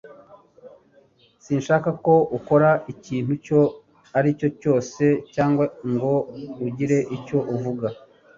Sinshaka ko ukora ikintu icyo ari cyo cyose cyangwa ngo ugire icyo uvuga